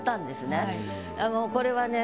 これはね